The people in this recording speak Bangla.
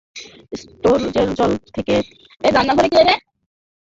সেটার জল ফেলে দিয়ে তার তলায় মাটির নীচে তৈরি হল এক চোরাকুঠরি।